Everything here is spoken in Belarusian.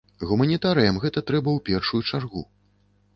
Гуманітарыям гэта трэба ў першую чаргу.